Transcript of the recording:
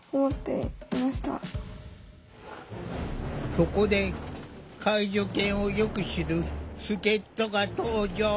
そこで介助犬をよく知る助っとが登場！